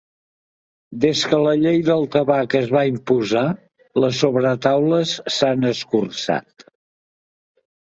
Des que la llei del tabac es va imposar, les sobretaules s'han escurçat.